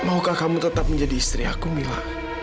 maukah kamu tetap menjadi istri aku mila